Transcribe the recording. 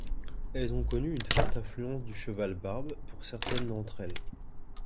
Elles ont connu une forte influence du cheval Barbe pour certaines d'entre elles.